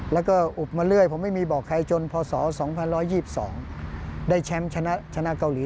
แล้วก็อุบมาเรื่อยผมไม่มีบอกใครจนพศ๒๑๒๒ได้แชมป์ชนะเกาหลี